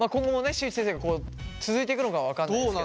「新内先生」が続いていくのかは分かんないですけど。